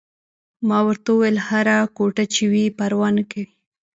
ما ورته وویل: هره کوټه چې وي، پروا نه کوي.